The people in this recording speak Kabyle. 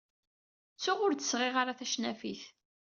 Ttuɣ ur d-sɣiɣ ara tacnafit.